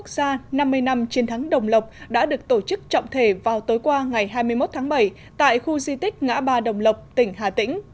xin chào và hẹn gặp lại